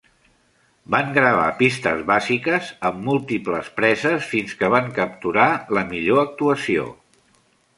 Van gravar pistes bàsiques amb múltiples preses fins que van capturar la millor actuació.